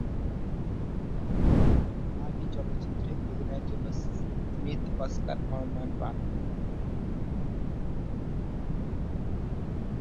আলী চলচ্চিত্রে অভিনয়ের জন্য স্মিথ অস্কার মনোনয়ন পান।